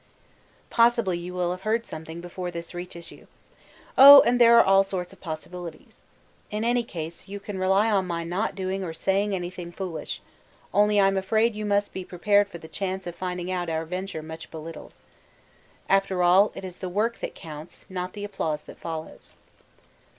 'Possibly you will have heard something before this reaches you. Oh! and there are all sorts of possibilities. In any case you can rely on my not doing or saying anything foolish only I'm afraid you must be prepared for the chance of finding our venture much belittled. 'After all, it is the work that counts, not the applause that follows.